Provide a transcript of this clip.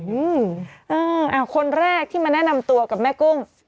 อืมอ่าคนแรกที่มาแนะนำตัวกับแม่กุ้ง